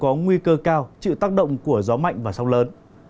trong vùng nguy hiểm đều có nguy cơ cao chịu tác động của gió mạnh và sóng lớn